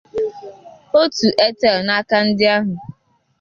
otu Airtel n'aka ndị ahụ